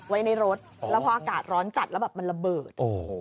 ไว้ในรถแล้วพออากาศร้อนจัดแล้วแบบมันระเบิดโอ้โห